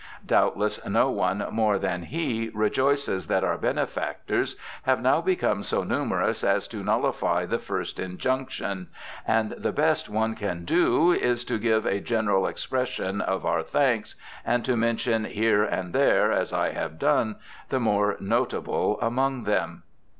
Doubtless, no one more than he rejoices that our benefactors have now become so numerous as to nullify the first injunction ; and the best one can do is to give a general expression of our thanks, and to mention here and there, as I hav^e done, the more notable among them.